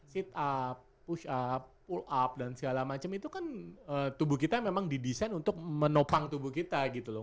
sit up push up pull up dan segala macam itu kan tubuh kita memang didesain untuk menopang tubuh kita gitu loh